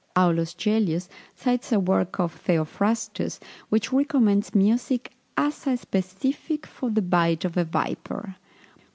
Aulus Gellius cites a work of Theophrastus, which recommends music as a specific for the bite of a viper.